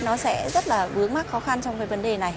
nó sẽ rất là bướng mắt khó khăn trong vấn đề này